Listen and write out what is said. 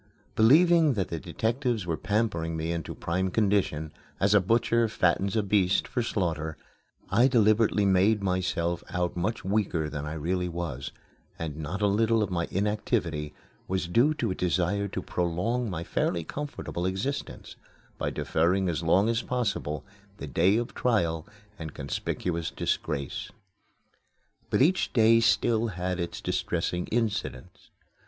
Believing that the detectives were pampering me into prime condition, as a butcher fattens a beast for slaughter, I deliberately made myself out much weaker than I really was; and not a little of my inactivity was due to a desire to prolong my fairly comfortable existence, by deferring as long as possible the day of trial and conspicuous disgrace. But each day still had its distressing incidents.